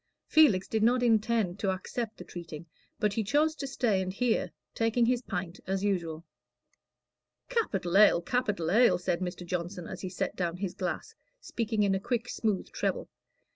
Felix did not intend to accept the treating, but he chose to stay and hear, taking his pint as usual. "Capital ale, capital ale," said Mr. Johnson, as he set down his glass, speaking in a quick, smooth treble.